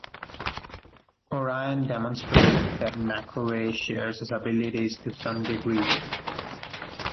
O'Ryan demonstrates that Mackelway shares his abilities to some degree.